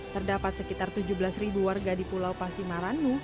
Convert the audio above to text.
terdapat sekitar tujuh belas warga di pulau pasimarannu